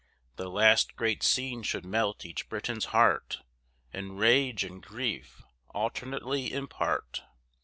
Thy last great scene should melt each Briton's heart, And rage and grief alternately impart.